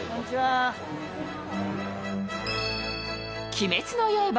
「鬼滅の刃」